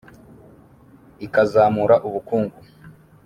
ikazamura ubukungu